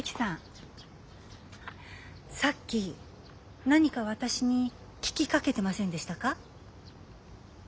さっき何か私に聞きかけてませんでしたか？